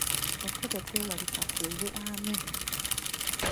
Otulo tetwewalika k'obe ani!